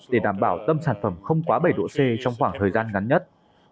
để đảm bảo tâm sản phẩm không quá bảy độ c trong khoảng thời gian ngắn nhất